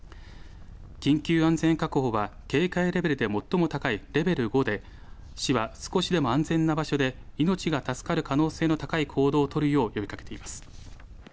緊急安全確保は警戒レベルで最も高いレベル５で市は少しでも安全な場所で命が助かる可能性の高い行動を取るよう呼びかけています。